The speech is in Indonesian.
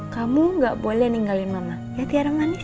kamu gak boleh ninggalin mama ya tiara manis